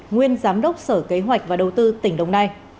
nguyên giám đốc sở kế hoạch và đầu tư tỉnh đồng nai